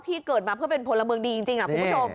เกิดมาเพื่อเป็นพลเมืองดีจริงคุณผู้ชม